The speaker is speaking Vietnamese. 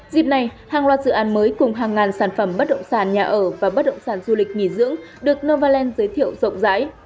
dịp này hàng loạt dự án mới cùng hàng ngàn sản phẩm bất động sản nhà ở và bất động sản du lịch nghỉ dưỡng được novaland giới thiệu rộng rãi